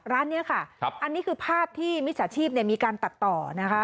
ร้านนี้ค่ะอันนี้คือภาพที่มิจฉาชีพมีการตัดต่อนะคะ